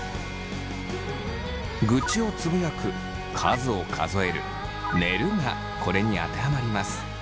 愚痴をつぶやく数を数える寝るがこれに当てはまります。